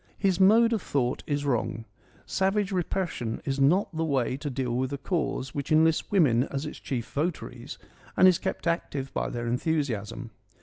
His mode of thought is wrong. Savage repression is not the way to deal with a cause which enlists women as its chief votaries and is kept active by their enthusiasm.